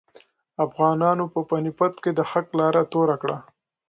افغانانو په پاني پت کې د حق لاره توره کړه.